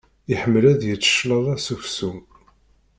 Iḥemmel ad yečč cclaḍa s uksum.